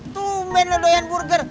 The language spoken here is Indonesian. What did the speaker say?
tumben ledoyan burger